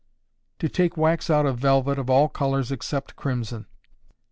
_To take Wax out of Velvet of all Colors except Crimson.